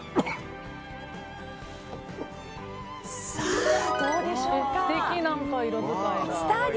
さあ、どうでしょうか！